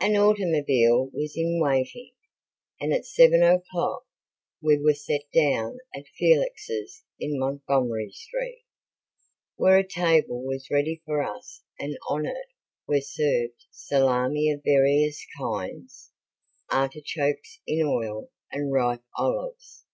An automobile was in waiting, and at seven o'clock we were set down at Felix's, in Montgomery street, where a table was ready for us and on it were served salami of various kinds, artichokes in oil and ripe olives.